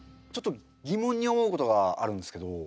ちょっと疑問に思うことがあるんですけど。